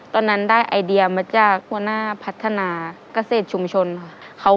ตอนนั้นได้ไอเดียมาจาก